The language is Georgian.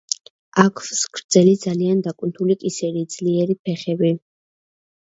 აქვს გრძელი, ძალიან დაკუნთული კისერი, ძლიერი ფეხები.